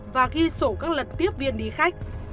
và ghi sổ các lật tiếp viên đi khách